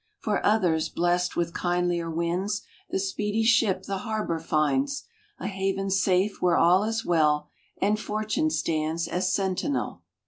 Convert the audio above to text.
For others, blest with kindlier winds, The speedy ship the harbor finds A haven safe where all is well, And Fortune stands as sentinel.